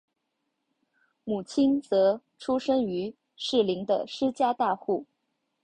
母亲则出身于士林的施家大户。